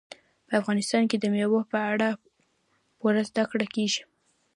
په افغانستان کې د مېوو په اړه پوره زده کړه کېږي.